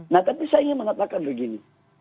nah tapi saya ingin mengatakan begini